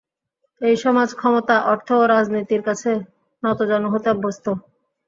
এই সমাজ ক্ষমতা, অর্থ ও রাজনীতির কাছে নতজানু হতে অভ্যস্ত।